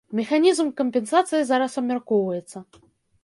Механізм кампенсацыі зараз абмяркоўваецца.